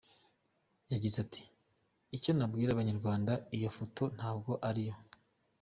Yagize ati “Icyo nabwira abanyarwanda iyo foto ntabwo ariyo.